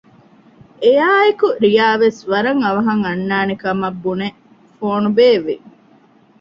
އެއާއެކު ރިޔާ ވެސް ވަރަށް އަވަހަށް އަންނާނެ ކަމުގައި ބުނެ ފޯނު ބޭއްވި